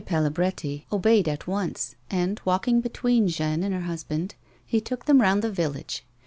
Palabretti obeyed at once, and, walking between Jeanne and her husband, he took them round the village.